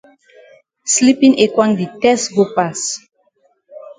Sleepin ekwang di tess go pass.